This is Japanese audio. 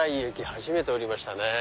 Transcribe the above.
初めて降りましたね。